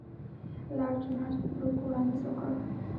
لارډ نارت بروک وړاندیز وکړ.